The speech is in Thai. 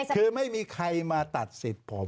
คือไม่มีใครมาตัดสิทธิ์ผม